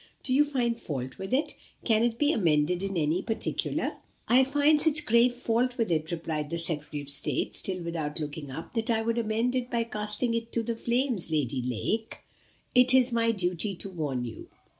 Do you find fault with it? Can it be amended in any particular?" "I find such grave fault with it," replied the Secretary of State, still without looking up, "that I would amend it by casting it into the flames. Lady Lake, it is my duty to warn you.